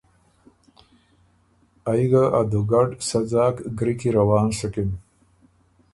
ائ ګه ا دُوګډ سۀ ځاک ګری کی روان سُکِن۔